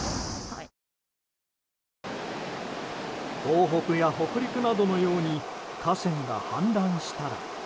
東北や北陸などのように河川が氾濫したら。